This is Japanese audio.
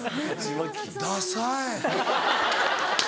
ダサい。